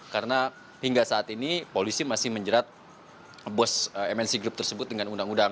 karena hingga saat ini polisi masih menjerat bos mnc group tersebut dengan undang undang